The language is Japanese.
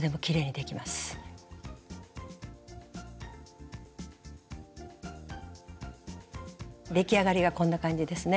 出来上がりがこんな感じですね。